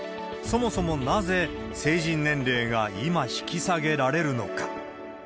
そもそもなぜ成人年齢が今引き下げられるのか。